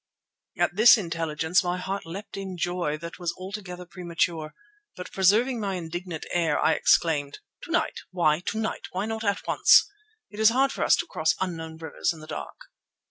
At this intelligence my heart leapt in joy that was altogether premature. But, preserving my indignant air, I exclaimed: "To night! Why to night? Why not at once? It is hard for us to cross unknown rivers in the dark."